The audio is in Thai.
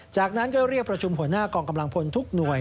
จากนั้นก็เรียกประชุมหัวหน้ากองกำลังพลทุกหน่วย